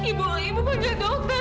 ibu ibu panggil dokter